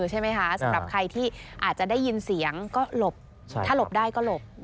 ใช่ไหมคะสำหรับใครที่อาจจะได้ยินเสียงก็หลบถ้าหลบได้ก็หลบ